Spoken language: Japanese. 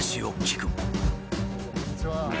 こんにちは。